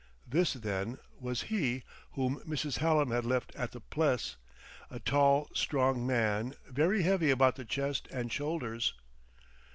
This, then, was he whom Mrs. Hallam had left at the Pless; a tall, strong man, very heavy about the chest and shoulders....